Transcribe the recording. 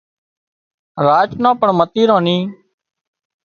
راچ نان پڻ متيران ني